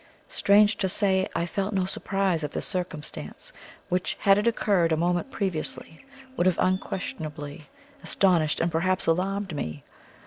Strange to say, I felt no surprise at this circumstance, which, had it occurred a moment previously, would have unquestionably astonished and perhaps alarmed me.